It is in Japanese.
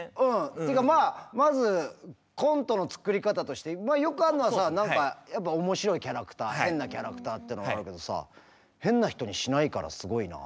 ってかまあまずコントの作り方としてまあよくあんのはさやっぱ面白いキャラクター変なキャラクターってのはあるけどさ変な人にしないからすごいなと思った。